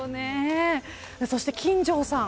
そして金城さん。